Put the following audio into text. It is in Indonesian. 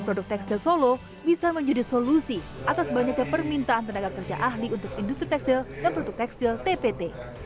produk tekstil solo bisa menjadi solusi atas banyaknya permintaan tenaga kerja ahli untuk industri tekstil dan produk tekstil tpt